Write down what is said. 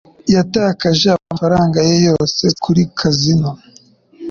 Yatakaje amafaranga ye yose kuri kazino.